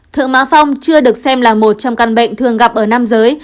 thượng má phong chưa được xem là một trong căn bệnh thường gặp ở nam giới